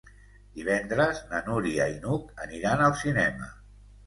Divendres na Núria i n'Hug aniran al cinema.